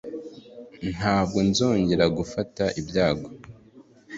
Ntabwo nzongera gufata ibyago